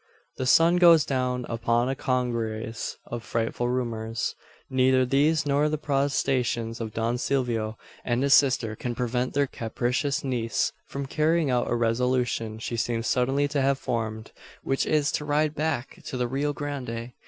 The sun goes down upon a congeries of frightful rumours. Neither these nor the protestations of Don Silvio and his sister can prevent their capricious niece from carrying out a resolution she seems suddenly to have formed which is, to ride back to the Rio Grande.